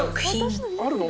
あるの？